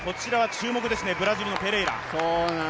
４レーン、注目ですね、ブラジルのペレイラ。